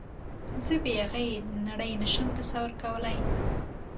زه بې هغې نړۍ نشم تصور کولی